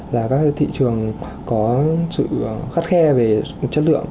là các thị trường có sự khắt khe về chất lượng